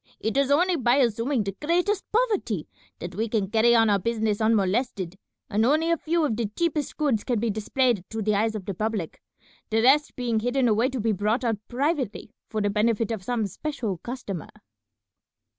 It is only by assuming the greatest poverty that we can carry on our business unmolested, and only a few of the cheapest goods can be displayed to the eyes of the public, the rest being hidden away to be brought out privately for the benefit of some special customer."